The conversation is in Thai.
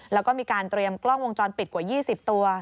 แล้วก็มีการเตรียมกล้องวงจรปิดกว่า๒๐ตัว